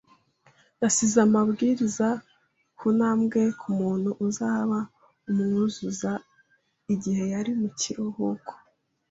yasize amabwiriza ku ntambwe ku muntu uzaba amwuzuza igihe yari mu kiruhuko.